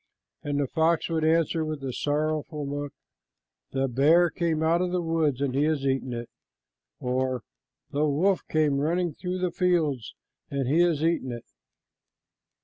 and the fox would answer with a sorrowful look, "The bear came out of the woods, and he has eaten it," or, "The wolf came running through the fields, and he has eaten it."